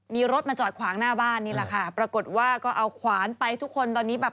มีรถมาจอดขวางหน้าบ้านนี่แหละค่ะปรากฏว่าก็เอาขวานไปทุกคนตอนนี้แบบ